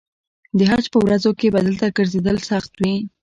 د حج په ورځو کې به دلته ګرځېدل سخت وي.